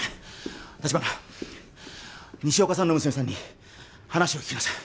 立花西岡さんの娘さんに話を聞きなさい